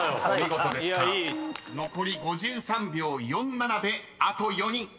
［残り５３秒４７であと４人］